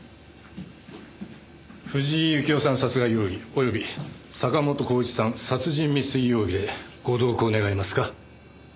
藤井由紀夫さん殺害容疑および坂本紘一さん殺人未遂容疑でご同行願えますか？